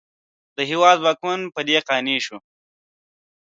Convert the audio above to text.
د هېواد واکمن په دې قانع کړي.